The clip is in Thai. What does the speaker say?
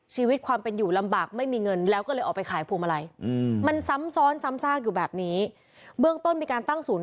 ชีวิตความเป็นอยู่ลำบากไม่มีเงินแล้วก็เลยออกไปขายพวงมาลัย